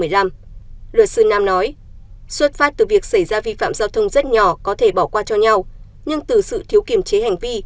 luật sư nam nói xuất phát từ việc xảy ra vi phạm giao thông rất nhỏ có thể bỏ qua cho nhau nhưng từ sự thiếu kiềm chế hành vi